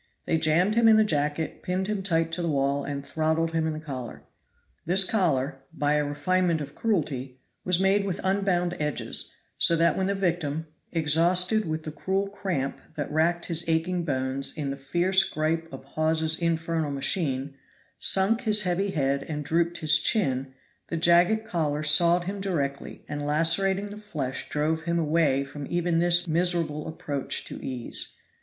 They jammed him in the jacket, pinned him tight to the wall, and throttled him in the collar. This collar, by a refinement of cruelty, was made with unbound edges, so that when the victim, exhausted with the cruel cramp that racked his aching bones in the fierce gripe of Hawes's infernal machine, sunk his heavy head and drooped his chin, the jagged collar sawed him directly and lacerating the flesh drove him away from even this miserable approach to ease.